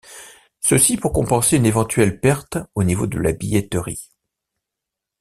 Ceci pour compenser une éventuelle perte au niveau de la billetterie.